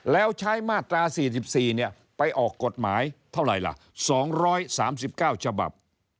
แล้วใช้มาตรา๔๔ไปออกกฎหมายเท่าไหร่ล่ะ๒๓๙ฉบับ